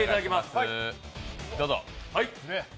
どうぞ。